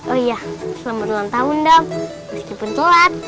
oh iya selamat ulang tahun adam meskipun telat